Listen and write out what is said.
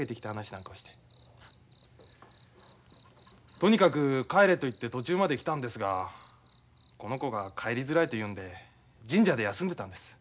とにかく帰れと言って途中まで来たんですがこの子が帰りづらいと言うんで神社で休んでたんです。